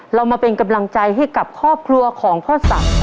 เรามาเป็นกำลังใจให้กับครอบครัวของพ่อศักดิ์